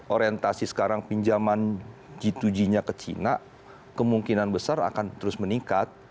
orientasi sekarang pinjaman g dua g nya ke china kemungkinan besar akan terus meningkat